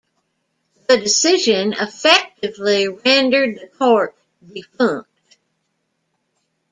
The decision effectively rendered the Court defunct.